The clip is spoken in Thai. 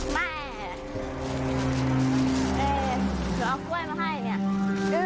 แม่